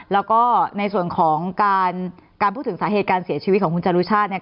แล้วก็ในส่วนของการพูดถึงสาเหตุการเสียชีวิตของคุณจรุชาติเนี่ย